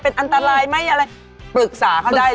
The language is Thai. เป็นอันตรายไหมอะไรปรึกษาเขาได้เลย